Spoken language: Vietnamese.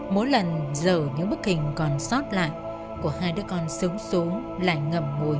mỗi lần giờ những bức hình còn sót lại của hai đứa con sớm xuống